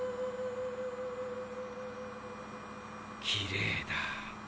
きれいだ。